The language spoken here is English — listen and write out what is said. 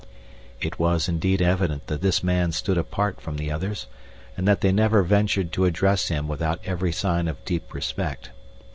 It was indeed evident that this man stood apart from the others, and that they never ventured to address him without every sign of deep respect.